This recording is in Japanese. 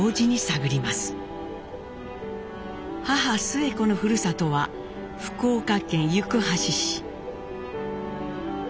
母スエ子のふるさとは福岡県行橋市。